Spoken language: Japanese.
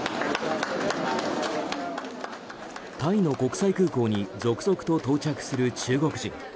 タイの国際空港に続々と到着する中国人。